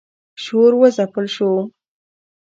شور و ځپل شو.